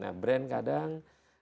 nah brand kadang